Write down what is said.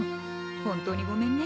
本当にごめんね。